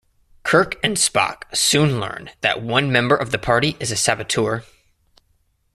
Kirk and Spock soon learn that one member of the party is a saboteur.